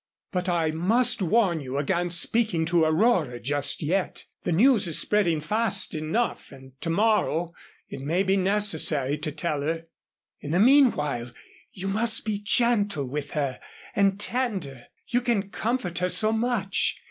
But I must warn you against speaking to Aurora just yet. The news is spreading fast enough and to morrow it may be necessary to tell her. In the meanwhile you must be gentle with her and tender you can comfort her so much.